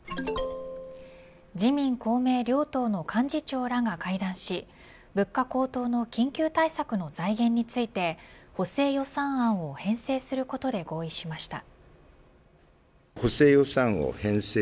自民、公明両党の幹事長らが会談し物価高騰の緊急対策の財源について補正予算案を編成することで合意しました。